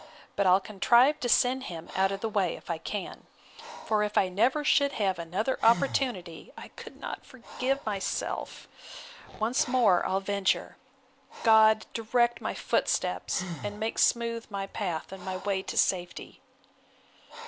But I'll contrive to send him out of the way, if I can:—For if I never should have such another opportunity, I could not forgive myself. Once more I'll venture. God direct my footsteps, and make smooth my path and my way to safety!